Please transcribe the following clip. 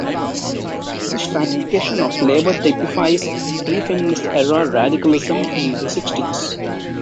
This stratification of labor typifies prefeminist-era radicalism in the sixties.